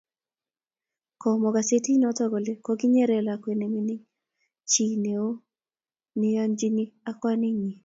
Komwa gazetinoto kole kokinyere lakwet ne mining chi neo neoechin ak kwaninyi